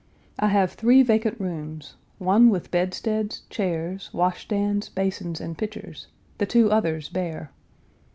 I have three vacant rooms; one with bedsteads, chairs, washstands, basins, and pitchers; the two others bare.